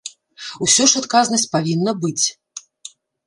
Усё ж адказнасць павінна быць.